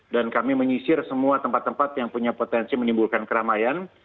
dan kami menyisir semua tempat tempat yang punya potensi menimbulkan keramaian